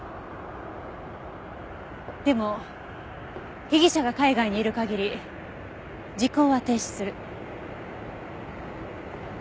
でも被疑者が海外にいる限り時効は停止する。